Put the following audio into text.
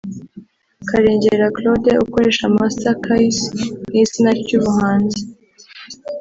Karengera Claude ukoresha Master Kaycee nk’izina ry’ubuhanzi